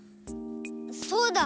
そうだ。